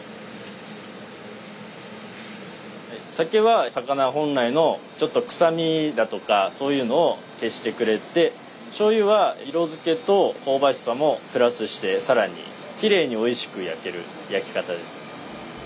酒は魚本来のくさみだとかそういうのを消してくれてしょうゆは色づけと香ばしさもプラスして更にきれいにおいしく焼ける焼き方です。